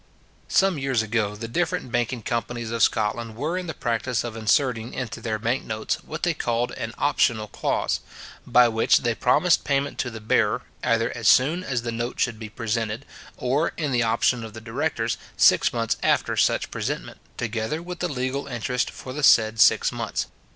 Some years ago the different banking companies of Scotland were in the practice of inserting into their bank notes, what they called an optional clause; by which they promised payment to the bearer, either as soon as the note should be presented, or, in the option of the directors, six months after such presentment, together with the legal interest for the said six months.